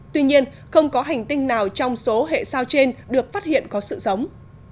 tuy nhiên không có hành tinh nào trong số hệ sao trên được phát hiện có sự sống